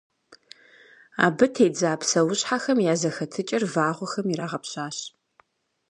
Абы тедза псэущхьэхэм я зэхэтыкӀэр вагъуэхэм ирагъэпщащ.